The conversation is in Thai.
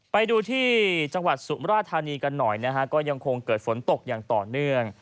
ไปดูที่จังหวัดสุมราชธานีกันหน่อยนะฮะก็ยังคงเกิดฝนตกอย่างต่อเนื่อง